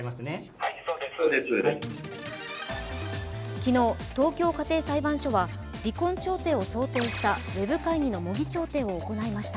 昨日、東京家庭裁判所は離婚調停を想定したウェブ会議の模擬調停を行いました。